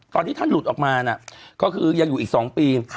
ตอนที่ท่านหลุดออกมาก็คือยังอยู่อีก๒ปี